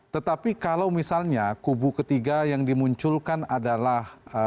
tetapi kalau misalnya kubu ketiga yang dimunculkan adalah